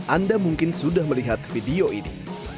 anda mungkin sudah melihat video ini